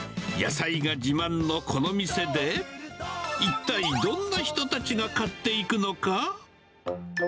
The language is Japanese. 野菜が自慢のこの店で、一体、どんな人たちが買っていくのか。